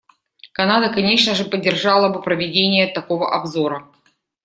Канада, конечно же, поддержала бы проведение такого обзора.